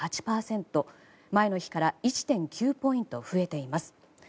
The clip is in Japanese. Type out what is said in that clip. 前の日から１．９ポイント増えています。